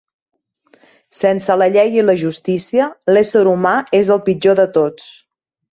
Sense la llei i la justícia, l'ésser humà és el pitjor de tots.